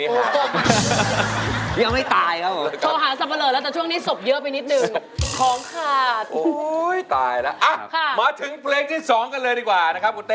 ขาแน่นขาแน่นจะได้อยู่จะได้อยู่